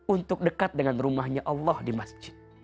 untuk dekat dengan rumahnya allah di masjid